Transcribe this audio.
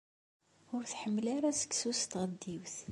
Ur tḥemmel ara seksu s tɣeddiwt.